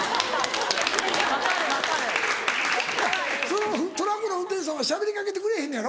・分かる分かる・そのトラックの運転手さんはしゃべりかけてくれへんのやろ？